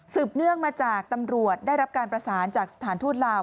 เนื่องมาจากตำรวจได้รับการประสานจากสถานทูตลาว